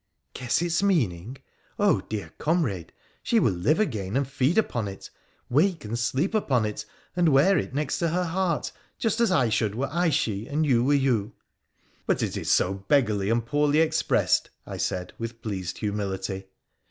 ' Guess its meaning 1 Oh, dear comrade, she will live again and feed upon it — wake and sleep upon it, and weal PI1RA THE PHOENICIAN 197 it next her heart, just as I should were I she and you were you.' ' But it is so beggarly and poor expressed,' I said, with pleased humility.